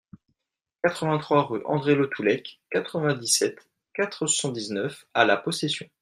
quatre-vingt-trois rue André Letoullec, quatre-vingt-dix-sept, quatre cent dix-neuf à La Possession